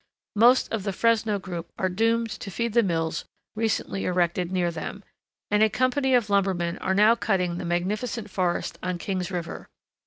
Most of the Fresno group are doomed to feed the mills recently erected near them, and a company of lumbermen are now cutting the magnificent forest on King's River.